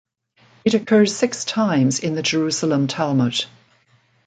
It occurs six times in the Jerusalem Talmud.